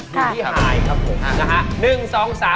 ทีมที่หายครับผมนะฮะ